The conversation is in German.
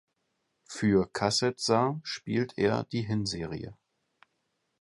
Für Kasetsart spielte er die Hinserie.